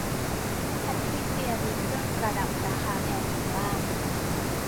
แพตทริเซียมีเครื่องประดับราคาแพงอยู่บ้าง